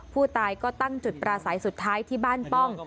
ผู้ตายก็ตั้งจุดปราศัยสุดท้ายที่บ้านป้อง